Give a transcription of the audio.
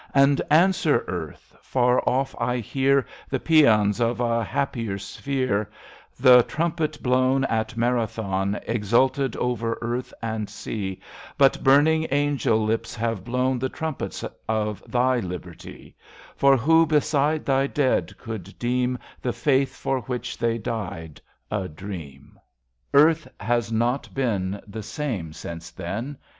And answer, earth ! Far off, I hear The paeans of a happier sphere :— The trumpet bloivn at Marathon Exulted over earth and sea : But burning angel lips have bloivn The trumpets of thy Liberty, For who, beside thy dead, could deem The faith, for which they died, a dream i 5 PRELUDE Earth has not been the sajne, since then.